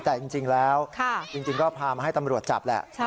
แต่จริงแล้วจริงก็พามาให้ตำรวจจับแหละ